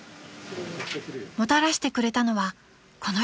［もたらしてくれたのはこの人］